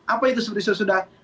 apa itu seperti sudah sudah